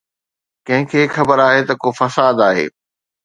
ڪنهن کي خبر آهي ته ڪو فساد آهي؟